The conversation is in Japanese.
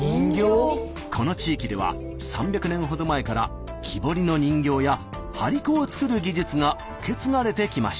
この地域では３００年ほど前から木彫りの人形や張り子を作る技術が受け継がれてきました。